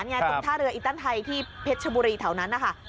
ตรงท่าเรืออิตันไทยที่เพชรชบุรีแถวนั้นนะคะ